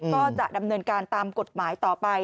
ก็จะดำเนินการตามกฎหมายต่อไป